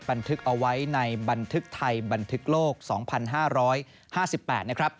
บันทึกเอาไว้ในบันทึกไทยบันทึกโลก๒๕๕๘นะครับ